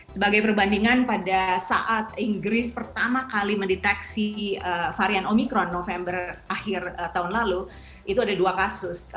sebagai perbandingan pada saat inggris pertama kali mendeteksi varian omikron november akhir tahun lalu itu ada dua kasus